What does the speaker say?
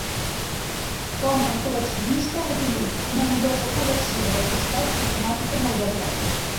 Com a col·leccionista, recollí una nombrosa col·lecció de postals de temàtica molt variada.